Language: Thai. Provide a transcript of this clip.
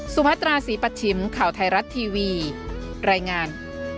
พัตราศรีปัชชิมข่าวไทยรัฐทีวีรายงาน